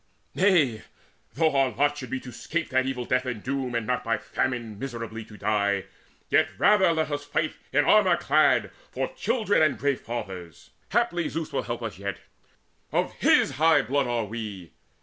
Nay, though our lot Should be to escape that evil death and doom, And not by famine miserably to die; Yet rather let us fight in armour clad For children and grey fathers! Haply Zeus Will help us yet; of his high blood are we.